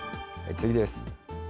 次です。